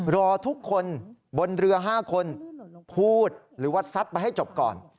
รอทุกคนบนเรือ๕คนพูดหรือว่าซัดไปให้จบก่อน